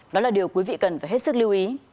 đó là điều quý vị cần phải hết sức lưu ý